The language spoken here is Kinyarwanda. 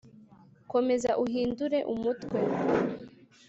komeza uhindure umutwe